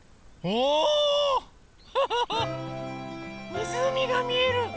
みずうみがみえる！